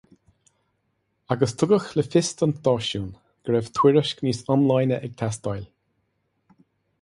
Agus tugadh le fios don stáisiún go raibh tuairisc níos iomláine ag teastáil.